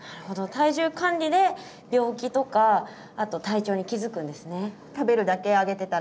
体重管理で病気とかあと体調に気付くんですね。